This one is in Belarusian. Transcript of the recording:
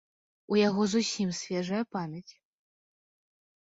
У яго зусім свежая памяць.